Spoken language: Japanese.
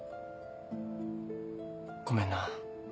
ごめんな。